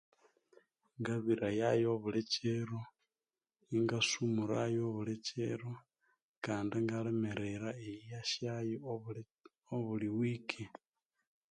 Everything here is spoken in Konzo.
Ngabirayayo obulikyiro, ingasumurayo obuli kyiro kandi ingalimirira eyihya syayo obuli wiki.